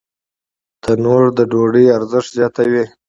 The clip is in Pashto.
تنور د ډوډۍ ارزښت زیاتوي